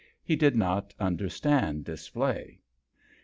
He did not understand display.